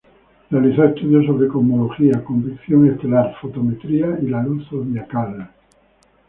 Realizó estudios sobre cosmología, convección estelar, fotometría y la luz zodiacal.